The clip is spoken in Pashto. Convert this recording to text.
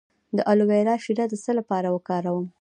د الوویرا شیره د څه لپاره وکاروم؟